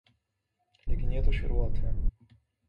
لیکن یہ تو شروعات ہے۔